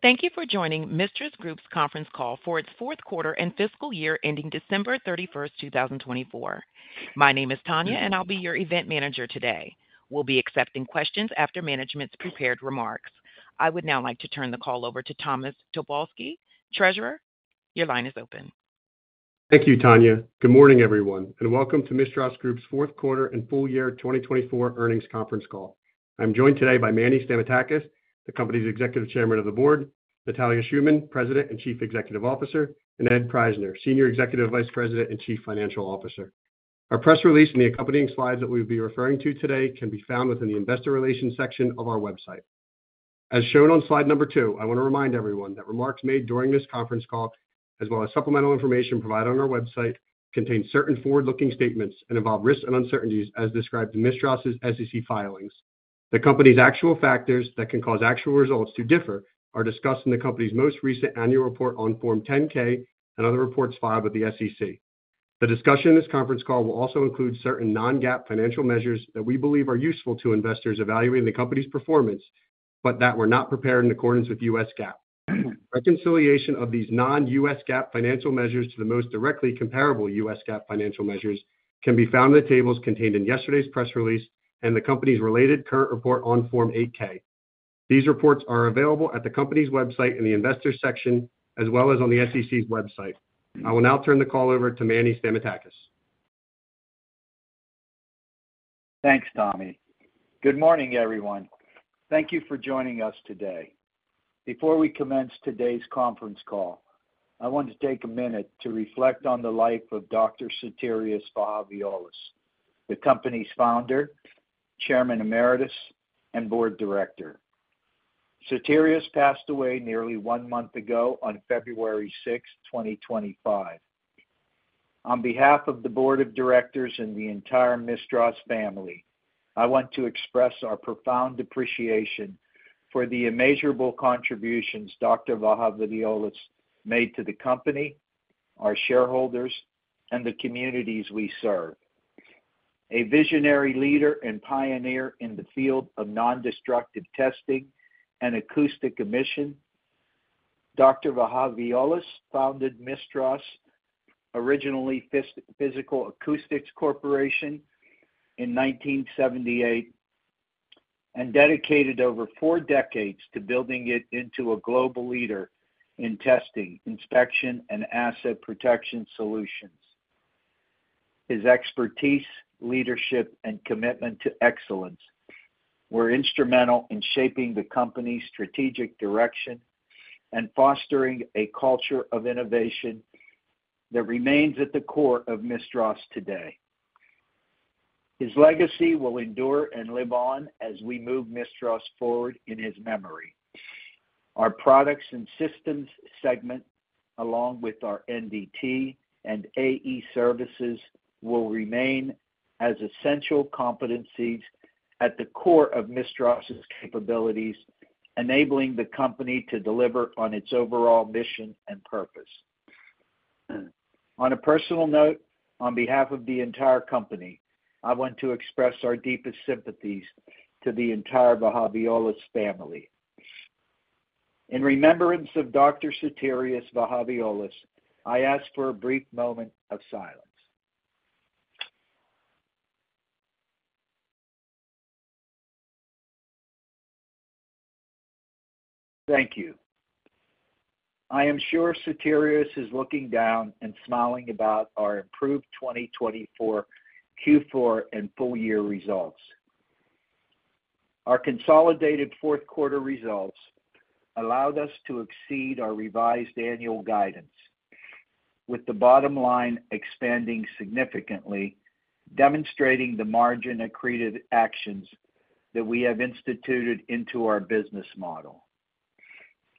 Thank you for joining MISTRAS Group's Conference Call for its fourth quarter and fiscal year ending December 31, 2024. My name is Tanya, and I'll be your event manager today. We'll be accepting questions after management's prepared remarks. I would now like to turn the call over to Thomas Tobolski, Treasurer. Your line is open. Thank you, Tanya. Good morning, everyone, and welcome to MISTRAS Group's Fourth Quarter and Full Year 2024 Earnings Conference Call. I'm joined today by Manny Stamatakis, the company's Executive Chairman of the Board; Natalia Shuman, President and Chief Executive Officer; and Ed Prajzner, Senior Executive Vice President and Chief Financial Officer. Our press release and the accompanying slides that we will be referring to today can be found within the investor relations section of our website. As shown on slide number two, I want to remind everyone that remarks made during this conference call, as well as supplemental information provided on our website, contain certain forward-looking statements and involve risks and uncertainties as described in MISTRAS's SEC filings. The company's actual factors that can cause actual results to differ are discussed in the company's most recent annual report on Form 10-K and other reports filed with the SEC. The discussion in this conference call will also include certain non-GAAP financial measures that we believe are useful to investors evaluating the company's performance, but that were not prepared in accordance with U.S. GAAP. Reconciliation of these non-U.S. GAAP financial measures to the most directly comparable U.S. GAAP financial measures can be found in the tables contained in yesterday's press release and the company's related current report on Form 8-K. These reports are available at the company's website in the investors' section, as well as on the SEC's website. I will now turn the call over to Manny Stamatakis. Thanks, Tommy. Good morning, everyone. Thank you for joining us today. Before we commence today's conference call, I want to take a minute to reflect on the life of Dr. Sotirios Vahaviolos, the company's founder, chairman emeritus, and board director. Sotirios passed away nearly one month ago on February 6, 2025. On behalf of the board of directors and the entire MISTRAS family, I want to express our profound appreciation for the immeasurable contributions Dr. Vahaviolos made to the company, our shareholders, and the communities we serve. A visionary leader and pioneer in the field of non-destructive testing and acoustic emission, Dr. Vahaviolos founded MISTRAS, originally Physical Acoustics Corporation, in 1978 and dedicated over four decades to building it into a global leader in testing, inspection, and asset protection solutions. His expertise, leadership, and commitment to excellence were instrumental in shaping the company's strategic direction and fostering a culture of innovation that remains at the core of MISTRAS today. His legacy will endure and live on as we move MISTRAS forward in his memory. Our products and systems segment, along with our NDT and AE services, will remain as essential competencies at the core of MISTRAS's capabilities, enabling the company to deliver on its overall mission and purpose. On a personal note, on behalf of the entire company, I want to express our deepest sympathies to the entire Vahaviolos family. In remembrance of Dr. Sotirios Vahaviolos, I ask for a brief moment of silence. Thank you. I am sure Sotirios is looking down and smiling about our improved 2024 Q4 and full year results. Our consolidated fourth quarter results allowed us to exceed our revised annual guidance, with the bottom line expanding significantly, demonstrating the margin accretive actions that we have instituted into our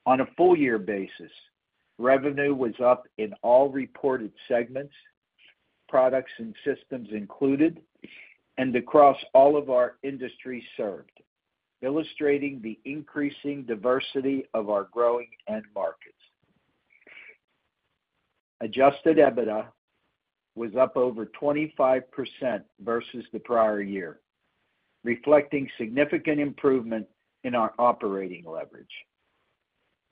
business model. On a full year basis, revenue was up in all reported segments, products and systems included, and across all of our industries served, illustrating the increasing diversity of our growing end markets. Adjusted EBITDA was up over 25% versus the prior year, reflecting significant improvement in our operating leverage.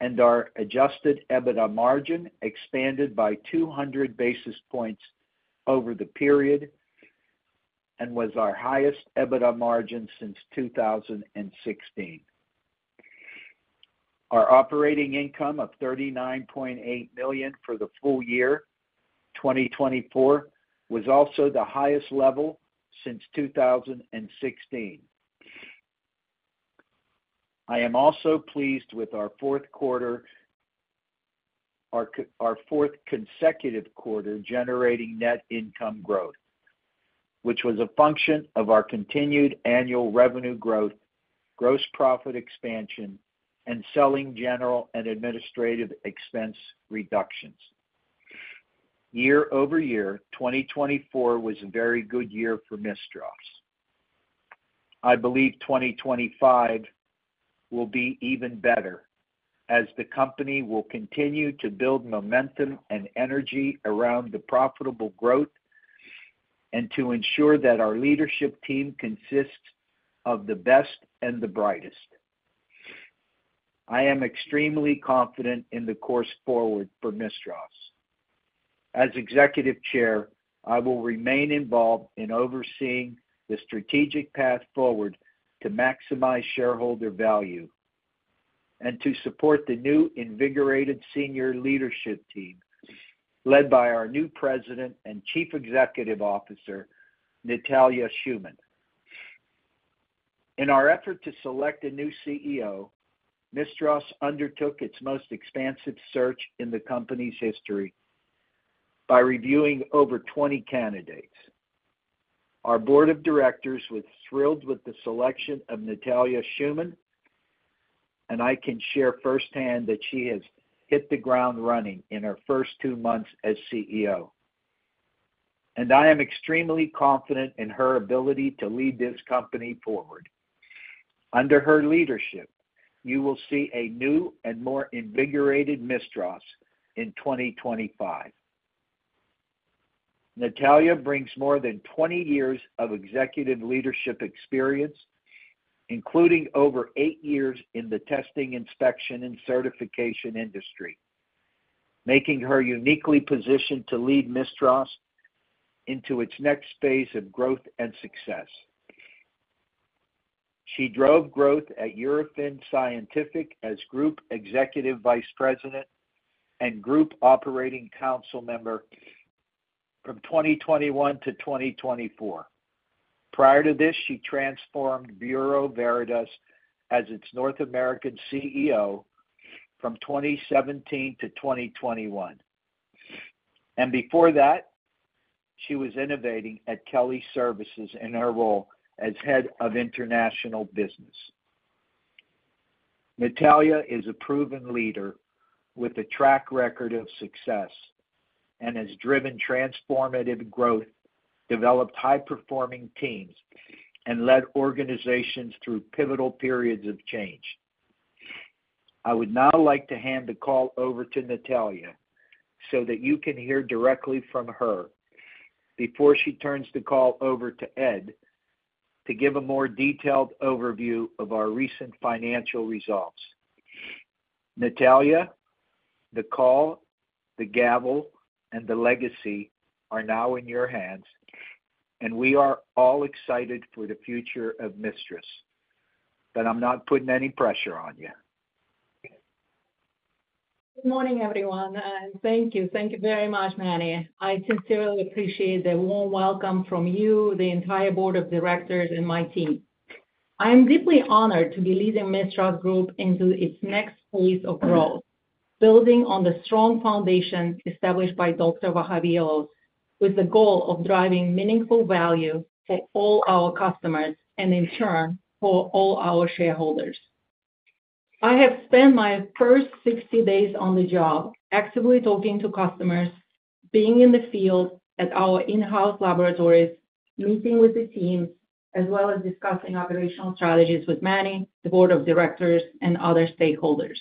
Our adjusted EBITDA margin expanded by 200 basis points over the period and was our highest EBITDA margin since 2016. Our operating income of $39.8 million for the full year 2024 was also the highest level since 2016. I am also pleased with our fourth quarter, our fourth consecutive quarter generating net income growth, which was a function of our continued annual revenue growth, gross profit expansion, and selling, general, and administrative expense reductions. Year-over-year, 2024 was a very good year for MISTRAS. I believe 2025 will be even better as the company will continue to build momentum and energy around the profitable growth and to ensure that our leadership team consists of the best and the brightest. I am extremely confident in the course forward for MISTRAS. As Executive Chair, I will remain involved in overseeing the strategic path forward to maximize shareholder value and to support the new invigorated senior leadership team led by our new President and Chief Executive Officer, Natalia Shuman. In our effort to select a new CEO, MISTRAS undertook its most expansive search in the company's history by reviewing over 20 candidates. Our board of directors was thrilled with the selection of Natalia Shuman, and I can share firsthand that she has hit the ground running in her first two months as CEO. I am extremely confident in her ability to lead this company forward. Under her leadership, you will see a new and more invigorated MISTRAS in 2025. Natalia brings more than 20 years of executive leadership experience, including over eight years in the testing, inspection, and certification industry, making her uniquely positioned to lead MISTRAS into its next phase of growth and success. She drove growth at Eurofins Scientific as Group Executive Vice President and Group Operating Council Member from 2021 to 2024. Prior to this, she transformed Bureau Veritas as its North American CEO from 2017 to 2021. Before that, she was innovating at Kelly Services in her role as Head of International Business. Natalia is a proven leader with a track record of success and has driven transformative growth, developed high-performing teams, and led organizations through pivotal periods of change. I would now like to hand the call over to Natalia so that you can hear directly from her before she turns the call over to Ed to give a more detailed overview of our recent financial results. Natalia, the call, the gavel, and the legacy are now in your hands, and we are all excited for the future of MISTRAS, but I'm not putting any pressure on you. Good morning, everyone, and thank you. Thank you very much, Manny. I sincerely appreciate the warm welcome from you, the entire board of directors, and my team. I am deeply honored to be leading MISTRAS Group into its next phase of growth, building on the strong foundation established by Dr. Vahaviolos, with the goal of driving meaningful value for all our customers and, in turn, for all our shareholders. I have spent my first 60 days on the job actively talking to customers, being in the field at our in-house laboratories, meeting with the teams, as well as discussing operational strategies with Manny, the board of directors, and other stakeholders.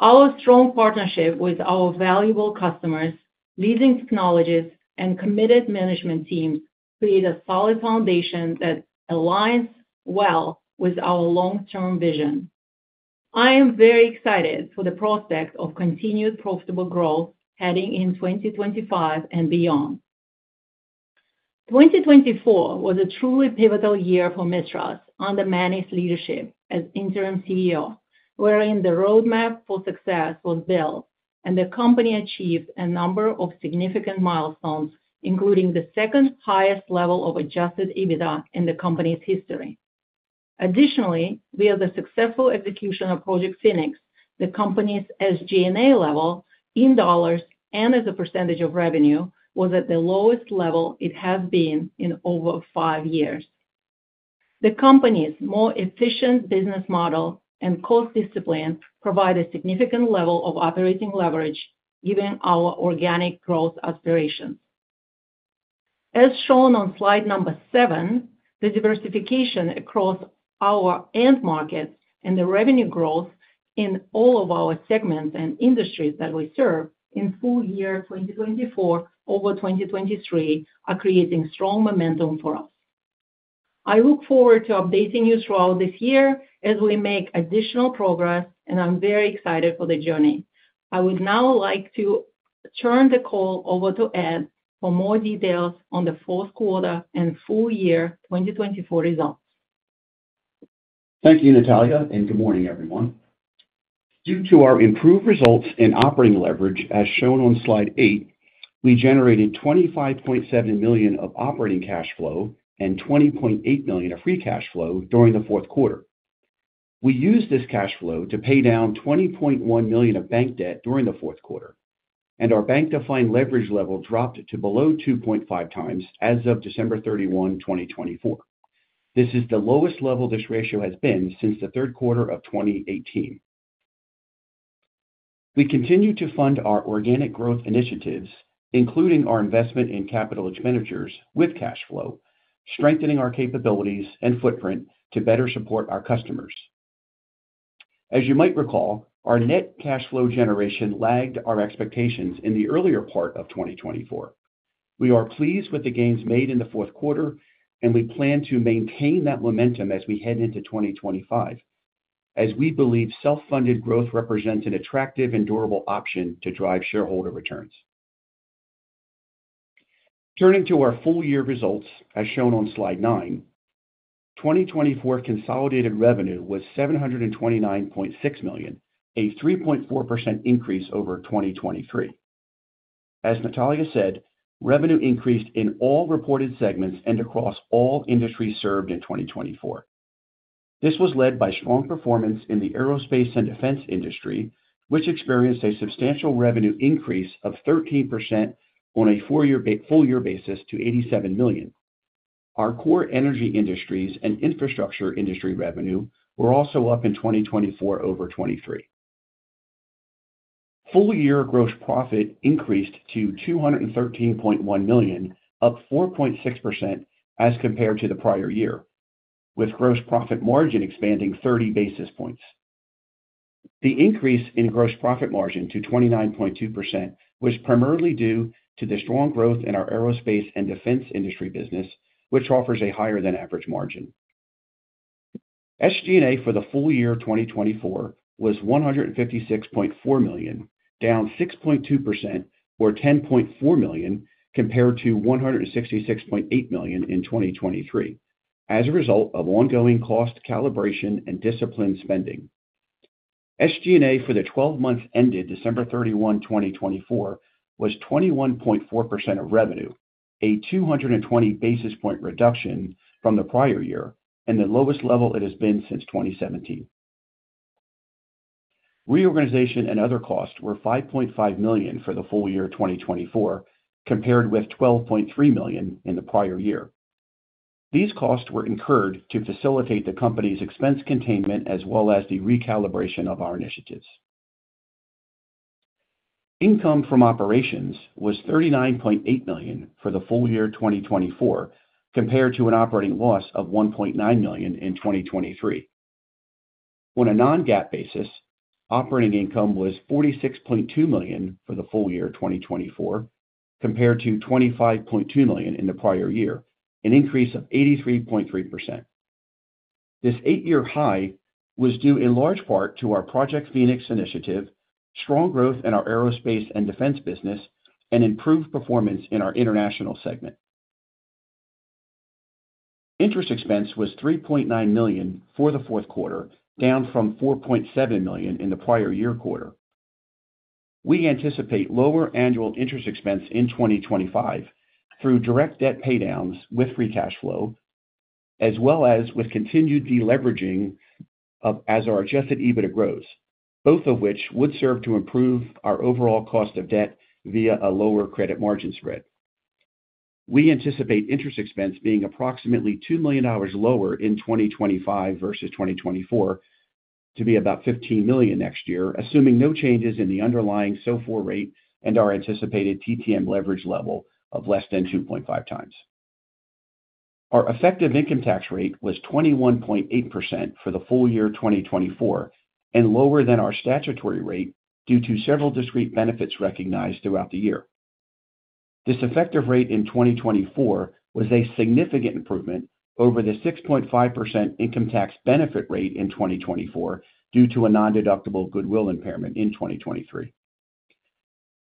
Our strong partnership with our valuable customers, leading technologies, and committed management teams create a solid foundation that aligns well with our long-term vision. I am very excited for the prospect of continued profitable growth heading in 2025 and beyond. 2024 was a truly pivotal year for MISTRAS under Manny's leadership as interim CEO, wherein the roadmap for success was built, and the company achieved a number of significant milestones, including the second highest level of adjusted EBITDA in the company's history. Additionally, via the successful execution of Project Phoenix, the company's SG&A level, in dollars and as a percentage of revenue, was at the lowest level it has been in over five years. The company's more efficient business model and cost discipline provide a significant level of operating leverage, giving our organic growth aspirations. As shown on slide number seven, the diversification across our end markets and the revenue growth in all of our segments and industries that we serve in full year 2024 over 2023 are creating strong momentum for us. I look forward to updating you throughout this year as we make additional progress, and I'm very excited for the journey. I would now like to turn the call over to Ed for more details on the fourth quarter and full year 2024 results. Thank you, Natalia, and good morning, everyone. Due to our improved results in operating leverage, as shown on slide eight, we generated $25.7 million of operating cash flow and $20.8 million of free cash flow during the fourth quarter. We used this cash flow to pay down $20.1 million of bank debt during the fourth quarter, and our bank-defined leverage level dropped to below 2.5 times as of December 31, 2024. This is the lowest level this ratio has been since the third quarter of 2018. We continue to fund our organic growth initiatives, including our investment in capital expenditures with cash flow, strengthening our capabilities and footprint to better support our customers. As you might recall, our net cash flow generation lagged our expectations in the earlier part of 2024. We are pleased with the gains made in the fourth quarter, and we plan to maintain that momentum as we head into 2025, as we believe self-funded growth represents an attractive and durable option to drive shareholder returns. Turning to our full year results, as shown on slide nine, 2024 consolidated revenue was $729.6 million, a 3.4% increase over 2023. As Natalia said, revenue increased in all reported segments and across all industries served in 2024. This was led by strong performance in the aerospace and defense industry, which experienced a substantial revenue increase of 13% on a full year basis to $87 million. Our core energy industries and infrastructure industry revenue were also up in 2024 over 2023. Full year gross profit increased to $213.1 million, up 4.6% as compared to the prior year, with gross profit margin expanding 30 basis points. The increase in gross profit margin to 29.2% was primarily due to the strong growth in our aerospace and defense industry business, which offers a higher-than-average margin. SG&A for the full year 2024 was $156.4 million, down 6.2%, or $10.4 million, compared to $166.8 million in 2023, as a result of ongoing cost calibration and disciplined spending. SG&A for the 12 months ended December 31, 2024, was 21.4% of revenue, a 220 basis point reduction from the prior year and the lowest level it has been since 2017. Reorganization and other costs were $5.5 million for the full year 2024, compared with $12.3 million in the prior year. These costs were incurred to facilitate the company's expense containment as well as the recalibration of our initiatives. Income from operations was $39.8 million for the full year 2024, compared to an operating loss of $1.9 million in 2023. On a non-GAAP basis, operating income was $46.2 million for the full year 2024, compared to $25.2 million in the prior year, an increase of 83.3%. This eight-year high was due in large part to our Project Phoenix initiative, strong growth in our aerospace and defense business, and improved performance in our international segment. Interest expense was $3.9 million for the fourth quarter, down from $4.7 million in the prior year quarter. We anticipate lower annual interest expense in 2025 through direct debt paydowns with free cash flow, as well as with continued deleveraging of our adjusted EBITDA growth, both of which would serve to improve our overall cost of debt via a lower credit margin spread. We anticipate interest expense being approximately $2 million lower in 2025 versus 2024 to be about $15 million next year, assuming no changes in the underlying SOFR rate and our anticipated TTM leverage level of less than 2.5 times. Our effective income tax rate was 21.8% for the full year 2024 and lower than our statutory rate due to several discrete benefits recognized throughout the year. This effective rate in 2024 was a significant improvement over the 6.5% income tax benefit rate in 2024 due to a non-deductible goodwill impairment in 2023.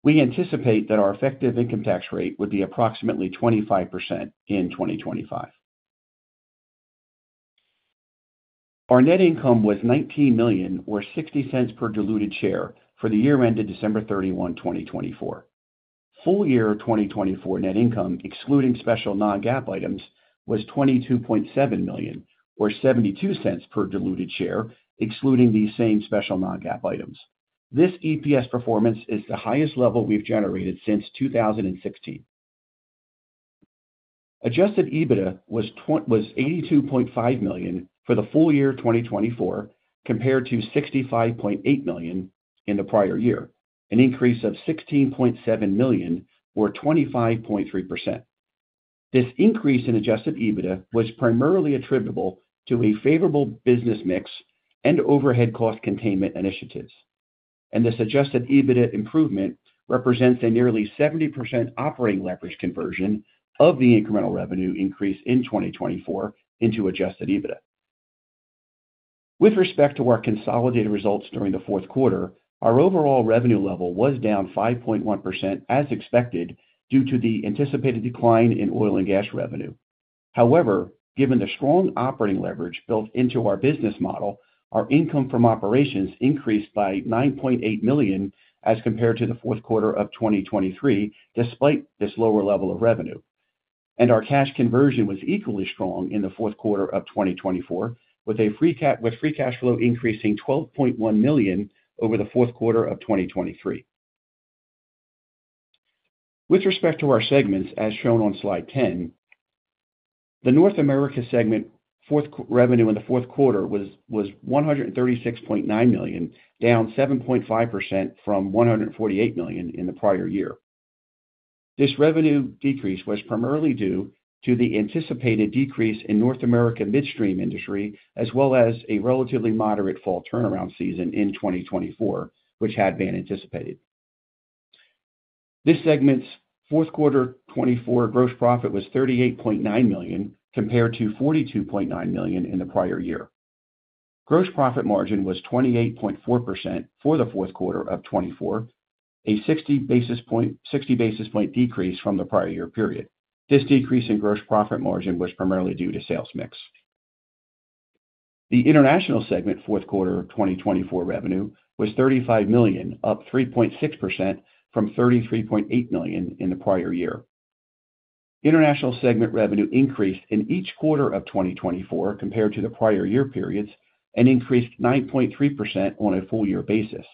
We anticipate that our effective income tax rate would be approximately 25% in 2025. Our net income was $19 million, or $0.60 per diluted share, for the year ended December 31, 2024. Full year 2024 net income, excluding special non-GAAP items, was $22.7 million, or $0.72 per diluted share, excluding these same special non-GAAP items. This EPS performance is the highest level we've generated since 2016. Adjusted EBITDA was $82.5 million for the full year 2024, compared to $65.8 million in the prior year, an increase of $16.7 million, or 25.3%. This increase in adjusted EBITDA was primarily attributable to a favorable business mix and overhead cost containment initiatives. This adjusted EBITDA improvement represents a nearly 70% operating leverage conversion of the incremental revenue increase in 2024 into adjusted EBITDA. With respect to our consolidated results during the fourth quarter, our overall revenue level was down 5.1%, as expected, due to the anticipated decline in oil and gas revenue. However, given the strong operating leverage built into our business model, our income from operations increased by $9.8 million as compared to the fourth quarter of 2023, despite this lower level of revenue. Our cash conversion was equally strong in the fourth quarter of 2024, with free cash flow increasing $12.1 million over the fourth quarter of 2023. With respect to our segments, as shown on slide 10, the North America segment revenue in the fourth quarter was $136.9 million, down 7.5% from $148 million in the prior year. This revenue decrease was primarily due to the anticipated decrease in North America midstream industry, as well as a relatively moderate fall turnaround season in 2024, which had been anticipated. This segment's fourth quarter 2024 gross profit was $38.9 million, compared to $42.9 million in the prior year. Gross profit margin was 28.4% for the fourth quarter of 2024, a 60 basis point decrease from the prior year period. This decrease in gross profit margin was primarily due to sales mix. The international segment fourth quarter of 2024 revenue was $35 million, up 3.6% from $33.8 million in the prior year. International segment revenue increased in each quarter of 2024 compared to the prior year periods and increased 9.3% on a full year basis.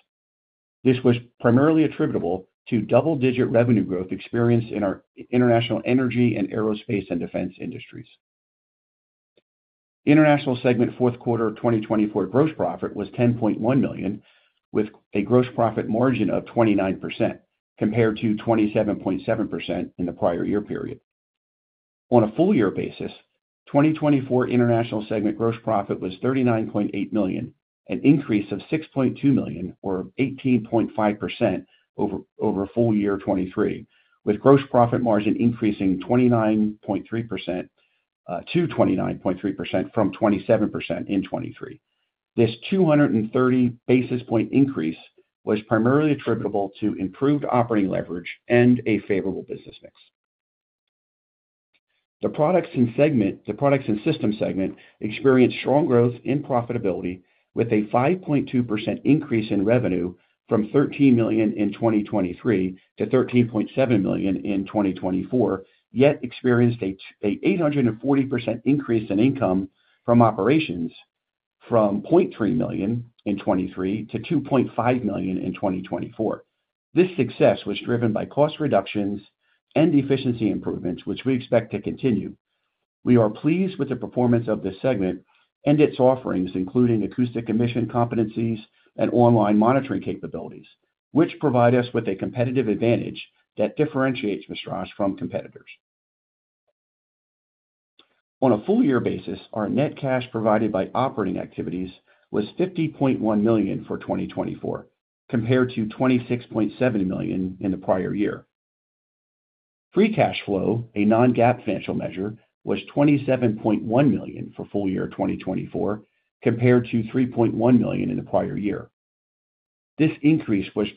This was primarily attributable to double-digit revenue growth experienced in our international energy and aerospace and defense industries. International segment fourth quarter 2024 gross profit was $10.1 million, with a gross profit margin of 29%, compared to 27.7% in the prior year period. On a full year basis, 2024 international segment gross profit was $39.8 million, an increase of $6.2 million, or 18.5% over full year 2023, with gross profit margin increasing to 29.3% from 27% in 2023. This 230 basis point increase was primarily attributable to improved operating leverage and a favorable business mix. The products and systems segment experienced strong growth in profitability, with a 5.2% increase in revenue from $13 million in 2023 to $13.7 million in 2024, yet experienced an 840% increase in income from operations from $0.3 million in 2023 to $2.5 million in 2024. This success was driven by cost reductions and efficiency improvements, which we expect to continue. We are pleased with the performance of this segment and its offerings, including acoustic emission competencies and online monitoring capabilities, which provide us with a competitive advantage that differentiates MISTRAS from competitors. On a full year basis, our net cash provided by operating activities was $50.1 million for 2024, compared to $26.7 million in the prior year. Free cash flow, a non-GAAP financial measure, was $27.1 million for full year 2024, compared to $3.1 million in the prior year. This increase was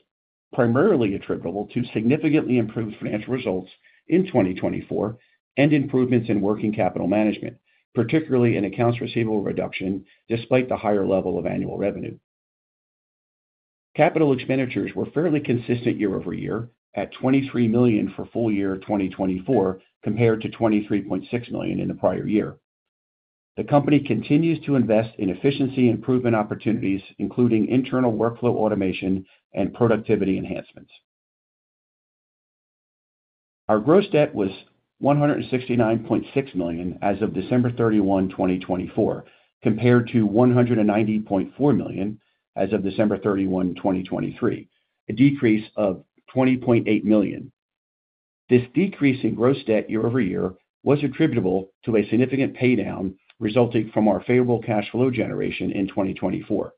primarily attributable to significantly improved financial results in 2024 and improvements in working capital management, particularly in accounts receivable reduction, despite the higher level of annual revenue. Capital expenditures were fairly consistent year-over-year at $23 million for full year 2024, compared to $23.6 million in the prior year. The company continues to invest in efficiency improvement opportunities, including internal workflow automation and productivity enhancements. Our gross debt was $169.6 million as of December 31, 2024, compared to $190.4 million as of December 31, 2023, a decrease of $20.8 million. This decrease in gross debt year-over-year was attributable to a significant paydown resulting from our favorable cash flow generation in 2024.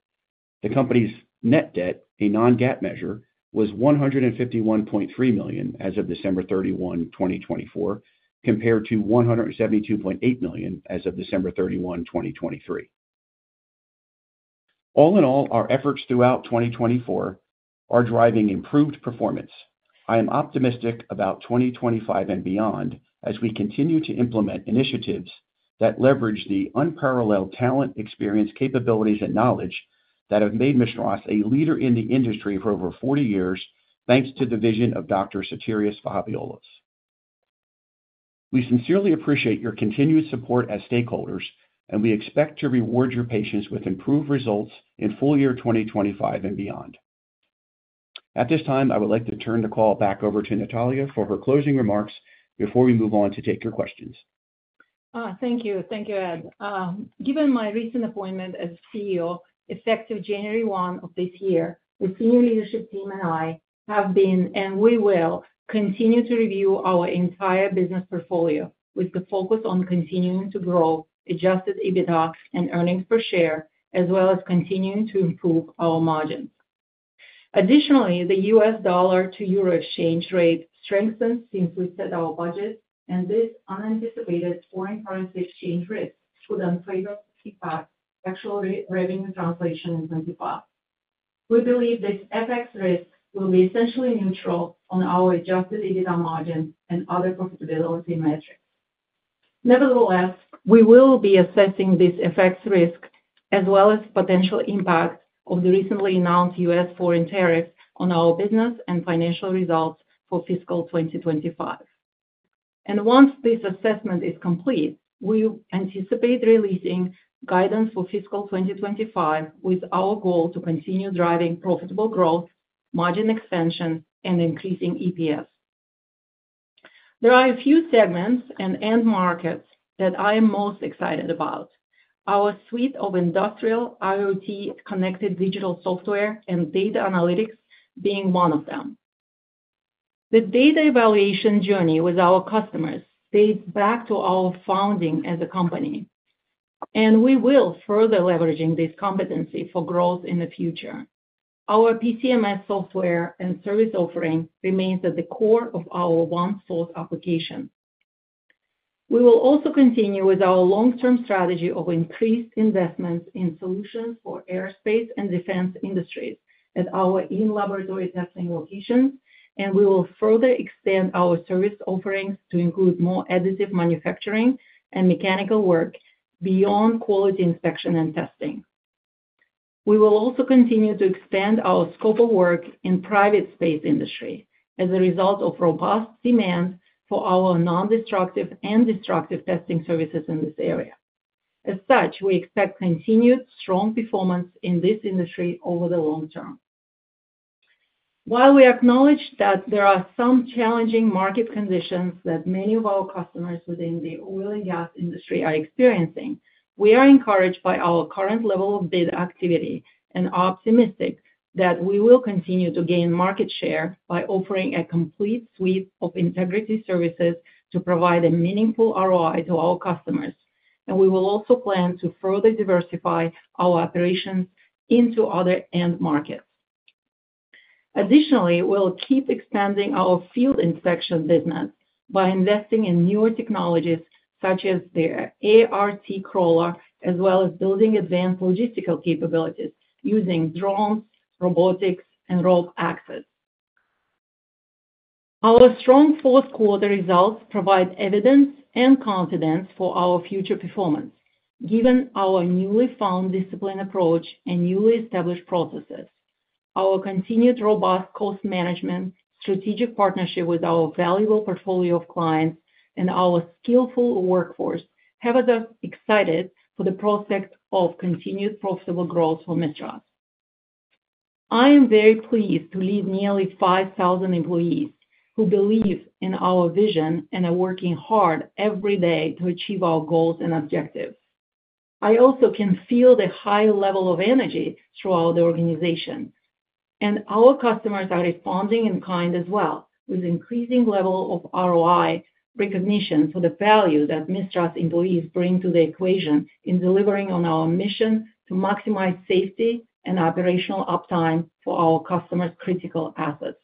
The company's net debt, a non-GAAP measure, was $151.3 million as of December 31, 2024, compared to $172.8 million as of December 31, 2023. All in all, our efforts throughout 2024 are driving improved performance. I am optimistic about 2025 and beyond as we continue to implement initiatives that leverage the unparalleled talent, experience, capabilities, and knowledge that have made MISTRAS a leader in the industry for over 40 years, thanks to the vision of Dr. Sotirios Vahaviolos. We sincerely appreciate your continued support as stakeholders, and we expect to reward your patience with improved results in full year 2025 and beyond. At this time, I would like to turn the call back over to Natalia for her closing remarks before we move on to take your questions. Thank you. Thank you, Ed. Given my recent appointment as CEO, effective January 1 of this year, the senior leadership team and I have been, and we will continue to review our entire business portfolio with the focus on continuing to grow adjusted EBITDA and earnings per share, as well as continuing to improve our margins. Additionally, the U.S. dollar to euro exchange rate strengthened since we set our budget, and this unanticipated foreign currency exchange risk would unfavorably impact actual revenue translation in 2025. We believe this FX risk will be essentially neutral on our adjusted EBITDA margin and other profitability metrics. Nevertheless, we will be assessing this FX risk as well as the potential impact of the recently announced U.S. foreign tariffs on our business and financial results for fiscal 2025. Once this assessment is complete, we anticipate releasing guidance for fiscal 2025 with our goal to continue driving profitable growth, margin expansion, and increasing EPS. There are a few segments and end markets that I am most excited about, our suite of industrial IoT-connected digital software and data analytics being one of them. The data evaluation journey with our customers dates back to our founding as a company, and we will further leverage this competency for growth in the future. Our PCMS software and service offering remains at the core of our one-source application. We will also continue with our long-term strategy of increased investments in solutions for aerospace and defense industries at our in-laboratory testing locations, and we will further extend our service offerings to include more additive manufacturing and mechanical work beyond quality inspection and testing. We will also continue to expand our scope of work in the private space industry as a result of robust demand for our non-destructive and destructive testing services in this area. As such, we expect continued strong performance in this industry over the long term. While we acknowledge that there are some challenging market conditions that many of our customers within the oil and gas industry are experiencing, we are encouraged by our current level of data activity and optimistic that we will continue to gain market share by offering a complete suite of integrity services to provide a meaningful ROI to our customers. We will also plan to further diversify our operations into other end markets. Additionally, we'll keep expanding our field inspection business by investing in newer technologies such as the ART crawler, as well as building advanced logistical capabilities using drones, robotics, and rope access. Our strong fourth quarter results provide evidence and confidence for our future performance, given our newly found discipline approach and newly established processes. Our continued robust cost management, strategic partnership with our valuable portfolio of clients, and our skillful workforce have us excited for the prospect of continued profitable growth for MISTRAS. I am very pleased to lead nearly 5,000 employees who believe in our vision and are working hard every day to achieve our goals and objectives. I also can feel the high level of energy throughout the organization, and our customers are responding in kind as well, with an increasing level of ROI recognition for the value that MISTRAS employees bring to the equation in delivering on our mission to maximize safety and operational uptime for our customers' critical assets.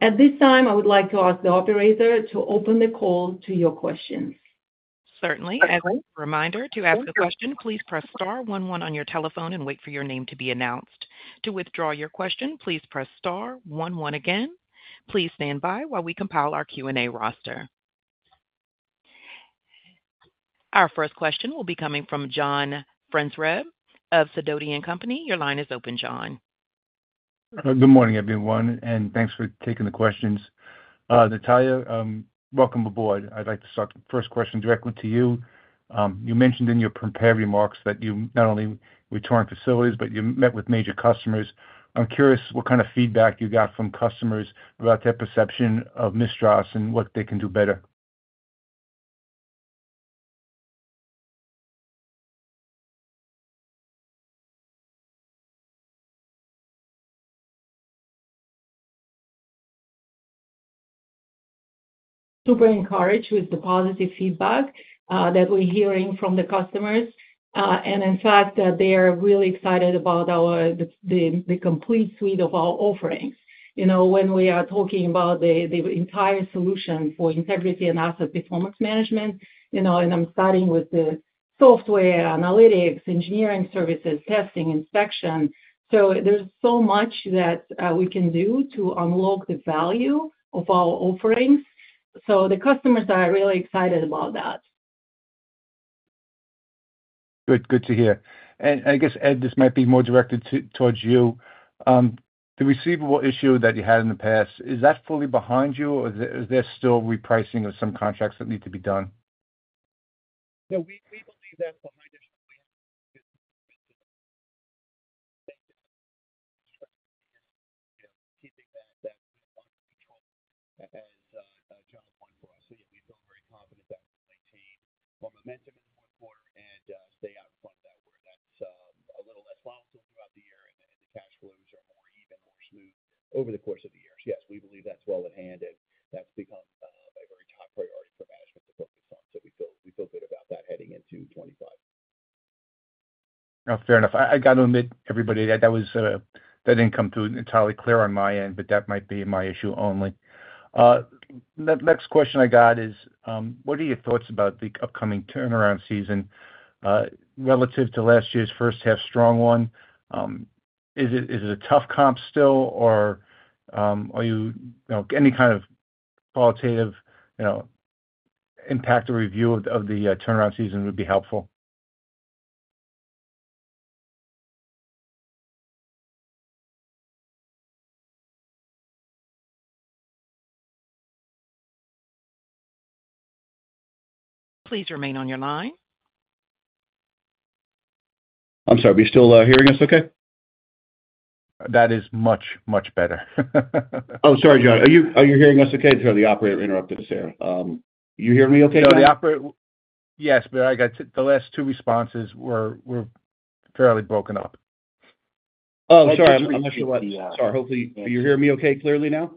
At this time, I would like to ask the operator to open the call to your questions. Certainly. As a reminder, to ask a question, please press star 11 on your telephone and wait for your name to be announced. To withdraw your question, please press star 11 again. Please stand by while we compile our Q&A roster. Our first question will be coming from John Franzreb of Sidoti & Company. Your line is open, John. Good morning, everyone, and thanks for taking the questions. Natalia, welcome aboard. I'd like to start the first question directly to you. You mentioned in your prepared remarks that you not only return facilities, but you met with major customers. I'm curious what kind of feedback you got from customers about their perception of MISTRAS and what they can do better. Super encouraged with the positive feedback that we're hearing from the customers, and in fact, they are really excited about the complete suite of our offerings. When we are talking about the entire solution for integrity and asset performance management, and I'm starting with the software analytics, engineering services, testing, inspection. There is so much that we can do to unlock the value of our offerings. The customers are really excited about that. Good to hear. I guess, Ed, this might be more directed towards you. The receivable issue that you had in the past, is that fully behind you, or is there still repricing of some contracts that need to be done? No, we believe that's behind us. We're keeping that in control as a general point for us. Yeah, we feel very confident that we'll maintain more momentum in the fourth quarter and stay out in front of that where that's a little less volatile throughout the year, and the cash flows are more even, more smooth over the course of the year. Yes, we believe that's well at hand, and that's become a very top priority for management to focus on. We feel good about that heading into 2025. Fair enough. I got to admit, everybody, that didn't come through entirely clear on my end, but that might be my issue only. The next question I got is, what are your thoughts about the upcoming turnaround season relative to last year's first-half strong one? Is it a tough comp still, or any kind of qualitative impact or review of the turnaround season would be helpful? Please remain on your line. I'm sorry. Are you still hearing us okay? That is much, much better. Oh, sorry, John. Are you hearing us okay? Sorry, the operator interrupted us there. You hear me okay? No, the operator. Yes, but I got the last two responses were fairly broken up. Sorry. I'm not sure what. Sorry. Hopefully, you hear me okay clearly now?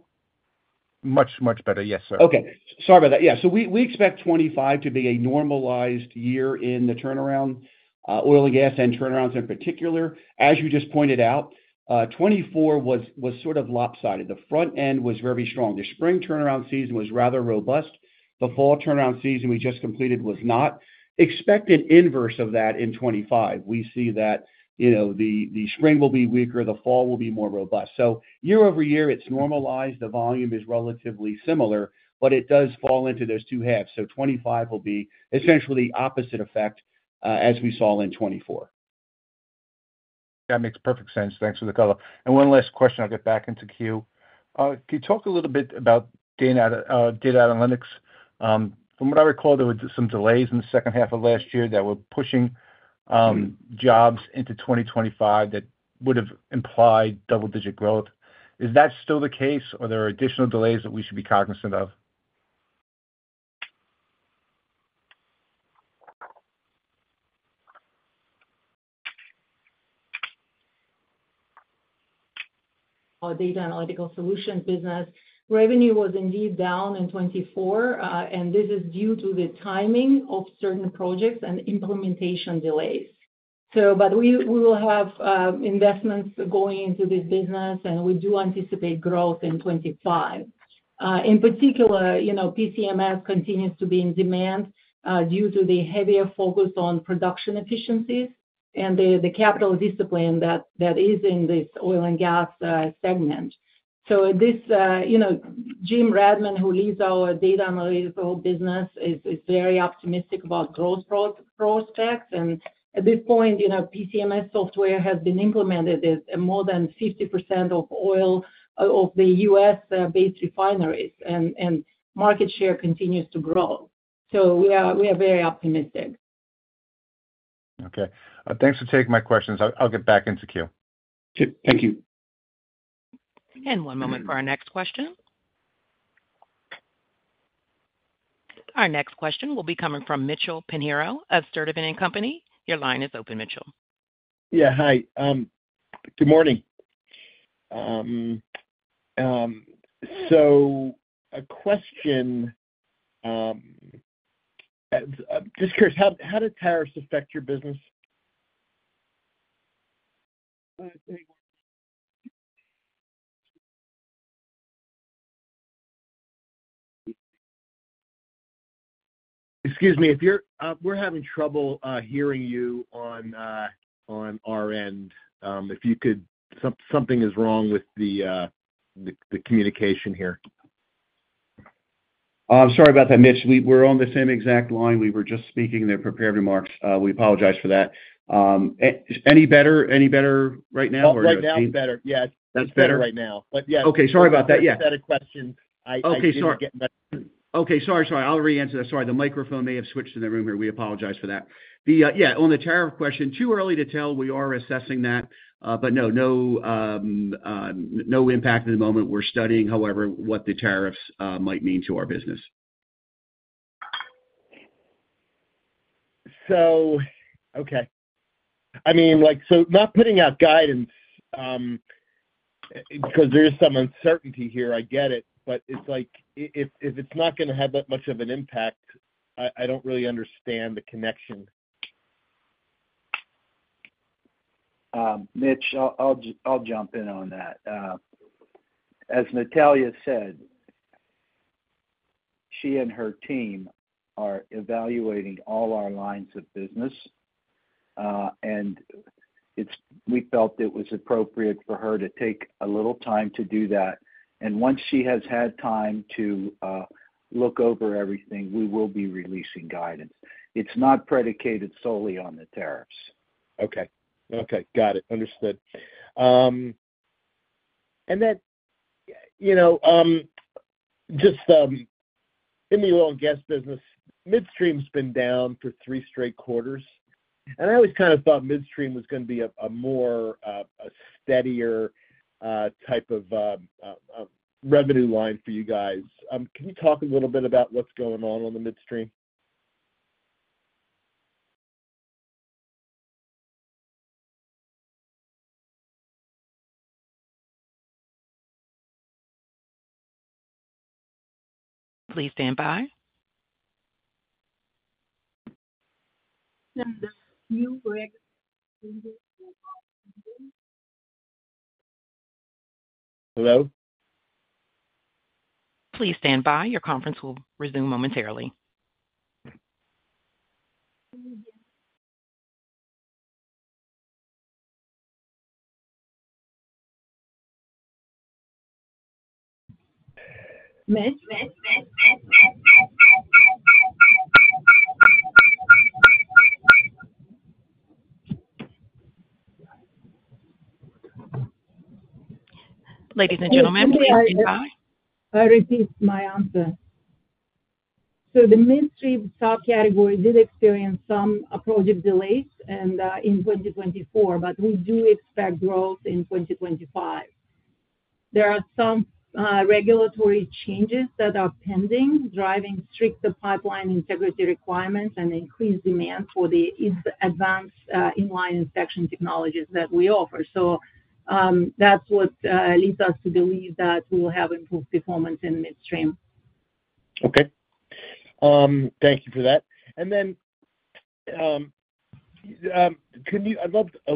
Much, much better. Yes, sir. Okay. Sorry about that. Yeah. We expect 2025 to be a normalized year in the turnaround, oil and gas end turnarounds in particular. As you just pointed out, 2024 was sort of lopsided. The front end was very strong. The spring turnaround season was rather robust. The fall turnaround season we just completed was not. Expect an inverse of that in 2025. We see that the spring will be weaker, the fall will be more robust. Year-over-year, it's normalized. The volume is relatively similar, but it does fall into those two halves. 2025 will be essentially the opposite effect as we saw in 2024. That makes perfect sense. Thanks for the color. One last question. I'll get back into queue. Can you talk a little bit about data analytics? From what I recall, there were some delays in the second half of last year that were pushing jobs into 2025 that would have implied double-digit growth. Is that still the case, or are there additional delays that we should be cognizant of? Our data analytical solution business revenue was indeed down in 2024, and this is due to the timing of certain projects and implementation delays. We will have investments going into this business, and we do anticipate growth in 2025. In particular, PCMS continues to be in demand due to the heavier focus on production efficiencies and the capital discipline that is in this oil and gas segment. Jim Redman, who leads our data analytical business, is very optimistic about growth prospects. At this point, PCMS software has been implemented in more than 50% of U.S.-based refineries, and market share continues to grow. We are very optimistic. Okay. Thanks for taking my questions. I'll get back into queue. Thank you. One moment for our next question. Our next question will be coming from Mitchell Pinheiro of Sturdivant & Company. Your line is open, Mitchell. Yeah. Hi. Good morning. A question. Just curious, how do tariffs affect your business? Excuse me. We're having trouble hearing you on our end. If you could, something is wrong with the communication here. Sorry about that, Mitch. We're on the same exact line. We were just speaking in the prepared remarks. We apologize for that. Any better right now? Right now, it's better. Yes. That's better? Better right now. But yes. Okay. Sorry about that. Yeah. I just had a question. I think we're getting better. Okay. Sorry. I'll re-answer that. Sorry. The microphone may have switched in the room here. We apologize for that. Yeah. On the tariff question, too early to tell. We are assessing that, but no, no impact at the moment. We're studying, however, what the tariffs might mean to our business. Okay. I mean, so not putting out guidance because there is some uncertainty here. I get it, but it's like if it's not going to have that much of an impact, I don't really understand the connection. Mitch, I'll jump in on that. As Natalia said, she and her team are evaluating all our lines of business, and we felt it was appropriate for her to take a little time to do that. Once she has had time to look over everything, we will be releasing guidance. It's not predicated solely on the tariffs. Okay. Okay. Got it. Understood. In the oil and gas business, midstream's been down for three straight quarters. I always kind of thought midstream was going to be a more steadier type of revenue line for you guys. Can you talk a little bit about what's going on on the midstream? Please stand by. Hello? Please stand by. Your conference will resume momentarily. Ladies and gentlemen, please stand by. I received my answer. The midstream subcategory did experience some project delays in 2024, but we do expect growth in 2025. There are some regulatory changes that are pending, driving stricter pipeline integrity requirements and increased demand for the advanced inline inspection technologies that we offer. That is what leads us to believe that we will have improved performance in midstream. Okay. Thank you for that. I would love to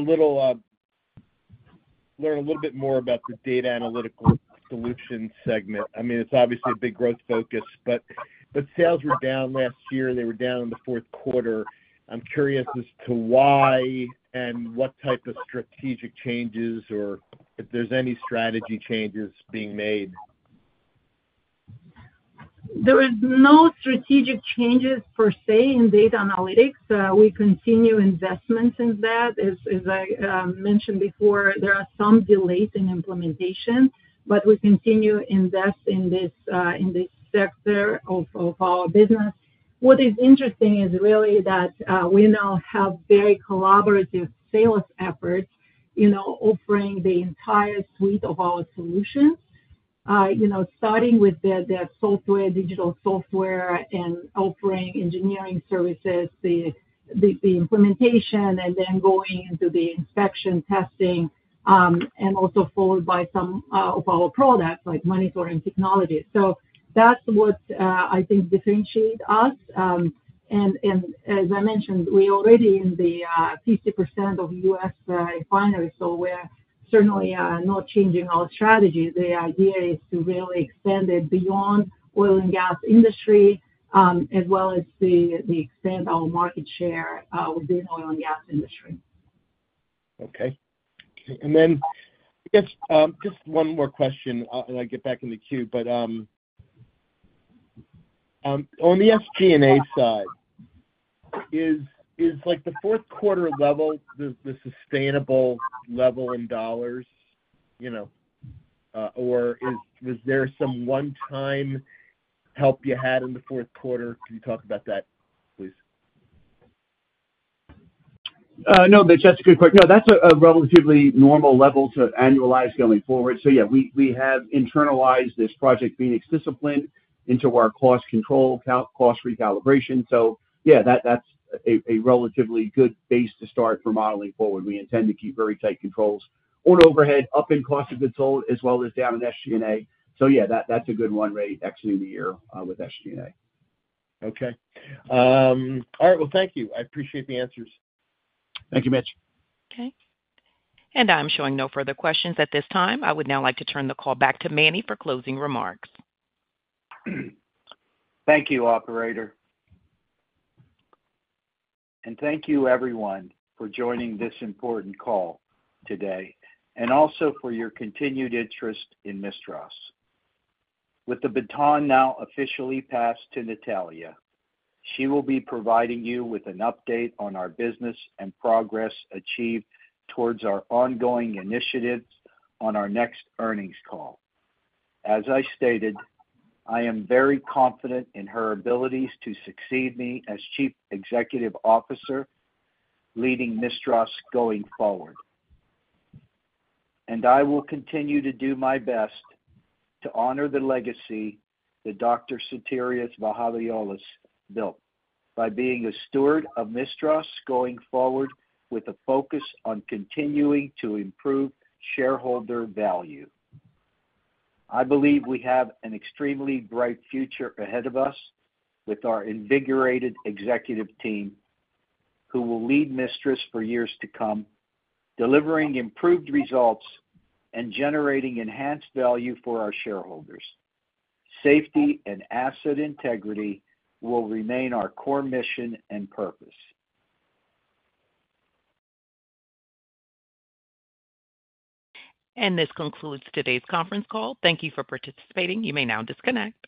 learn a little bit more about the data analytical solution segment. I mean, it is obviously a big growth focus, but sales were down last year. They were down in the fourth quarter. I am curious as to why and what type of strategic changes or if there are any strategy changes being made. There are no strategic changes per se in data analytics. We continue investments in that. As I mentioned before, there are some delays in implementation, but we continue to invest in this sector of our business. What is interesting is really that we now have very collaborative sales efforts offering the entire suite of our solutions, starting with the digital software and offering engineering services, the implementation, and then going into the inspection, testing, and also followed by some of our products like monitoring technologies. That is what I think differentiates us. As I mentioned, we are already in 50% of U.S. refineries, so we are certainly not changing our strategy. The idea is to really extend it beyond the oil and gas industry as well as to extend our market share within the oil and gas industry. Okay. I guess just one more question, and I will get back in the queue, but on the SG&A side, is the fourth quarter level the sustainable level in dollars, or was there some one-time help you had in the fourth quarter? Can you talk about that, please? No, that's just a quick question. No, that's a relatively normal level to annualize going forward. Yeah, we have internalized this Project Phoenix discipline into our cost control, cost recalibration. Yeah, that's a relatively good base to start for modeling forward. We intend to keep very tight controls on overhead, up in cost of control, as well as down in SG&A. Yeah, that's a good one rate exiting the year with SG&A. All right. Thank you. I appreciate the answers. Thank you, Mitch. Okay. I'm showing no further questions at this time. I would now like to turn the call back to Manny for closing remarks. Thank you, Operator. Thank you, everyone, for joining this important call today and also for your continued interest in MISTRAS. With the baton now officially passed to Natalia, she will be providing you with an update on our business and progress achieved towards our ongoing initiatives on our next earnings call. As I stated, I am very confident in her abilities to succeed me as Chief Executive Officer leading MISTRAS going forward. I will continue to do my best to honor the legacy that Dr. Sotirios Vahaviolos built by being a steward of MISTRAS going forward with a focus on continuing to improve shareholder value. I believe we have an extremely bright future ahead of us with our invigorated executive team who will lead MISTRAS for years to come, delivering improved results and generating enhanced value for our shareholders. Safety and asset integrity will remain our core mission and purpose. This concludes today's conference call. Thank you for participating. You may now disconnect.